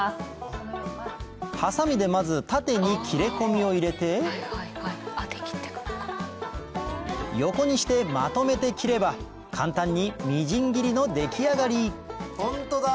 ハサミでまず縦に切れ込みを入れて横にしてまとめて切れば簡単にみじん切りの出来上がりほんとだ！